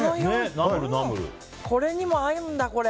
これにも合うんだ。